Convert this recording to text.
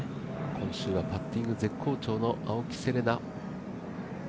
今週はパッティング絶好調の青木瀬令奈。